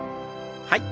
はい。